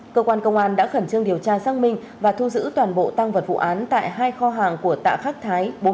cơ quan công an đã khẩn trương điều tra xác minh và thu giữ toàn bộ tăng vật vụ án tại hai kho hàng của tạ khắc thái